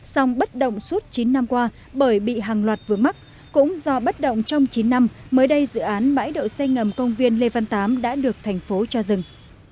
song bất động suốt chín năm qua bởi bị hàng loạt vướng mắc cũng do bất động trong chín năm mới đây dự án bãi đậu say ngầm công viên lê văn tám đã được tp hcm cho dừng